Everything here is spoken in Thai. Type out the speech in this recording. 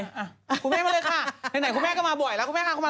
ครูแม่มาเลยค่ะเดี๋ยวไหนครูแม่ก็มาบ่อยละครูแม่ค่ะ